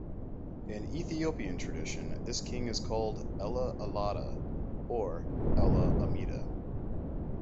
In Ethiopian tradition, this king is called Ella Allada or Ella Amida.